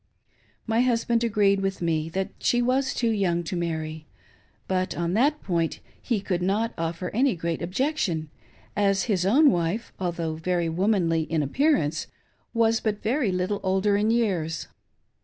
My husband agreed with me that she was too young to WAITING FOR "SOMETHING TO TURN UP." '511 marry ; but on that point he could not offer any great objec tion, as his own wife, although very womanly in appearance was but very little older in years.